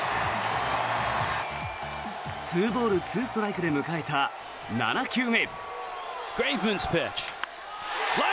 ２ボール２ストライクで迎えた７球目。